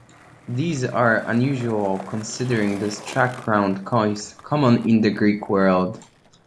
These are unusual considering the struck, round coins common in the Greek world.